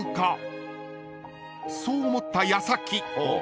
［そう思った矢先］